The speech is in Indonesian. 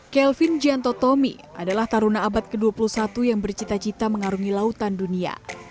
kelvin giantomi adalah taruna abad ke dua puluh satu yang bercita cita mengarungi lautan dunia